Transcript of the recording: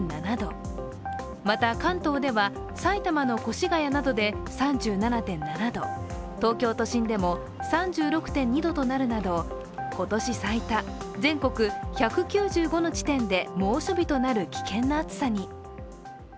また関東ではまた関東では埼玉の越谷などで３７．７度、東京都心でも３６．２度となるなど今年最多、全国１９５の地点で猛暑日となる危険な暑さに。